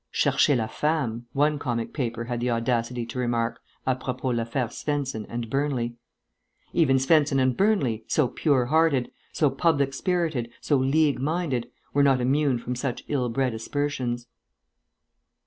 "Cherchez la femme," one comic paper had the audacity to remark, à propos l'affaire Svensen and Burnley. Even Svensen and Burnley, so pure hearted, so public spirited, so League minded, were not immune from such ill bred aspersions.